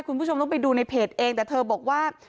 คุณผู้ชมต้องไปดูในเพจเองแต่เธอบอกว่า